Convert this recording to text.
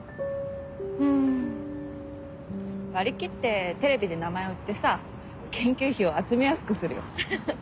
うん割り切ってテレビで名前を売ってさ研究費を集めやすくするよ。